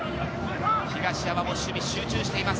東山も守備、集中しています。